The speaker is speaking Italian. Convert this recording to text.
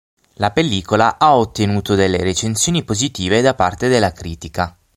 La pellicola ha ottenuto delle recensioni positive da parte della critica.